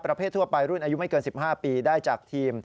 ประเภททั่วไปรุ่นอายุไม่เกิน๑๕ปี